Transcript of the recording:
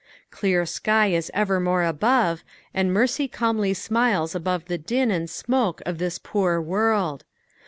Clear sky is ever more above, and mercy calmly smiles above the din and smoke of this poor world.